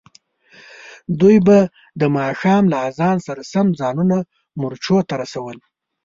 دوی به د ماښام له اذان سره سم ځانونه مورچو ته رسول.